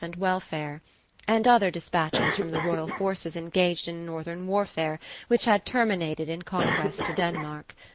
245 and welfiire ; and other despatches from the royal forces engaged in a nortliern warfare, which had terminated in conquest to Denmark.